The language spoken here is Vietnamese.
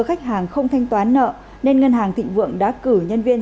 khách hàng không thanh toán nợ nên ngân hàng thịnh vượng đã cử nhân viên